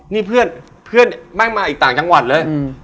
นี่เพื่อนแม่งมาอีกต่างจังหวัดเลย